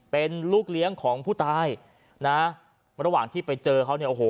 เป็นลูกเลี้ยงของผู้ตายนะระหว่างที่ไปเจอเขาเนี่ยโอ้โห